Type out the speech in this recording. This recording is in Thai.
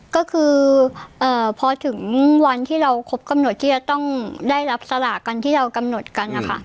ก็คือพอถึงวันที่เราครบกำหนดที่จะต้องได้รับสลากกันที่เรากำหนดกันนะคะ